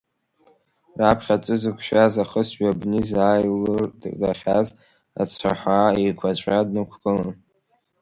Раԥхьа аҵәы зықәшәаз ахысҩы, абни, заа илырдахьаз ацәаҳәа еиқәаҵәа днықәгылон.